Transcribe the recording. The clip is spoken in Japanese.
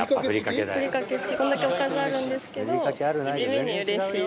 これだけおかずあるんですけど地味にうれしい。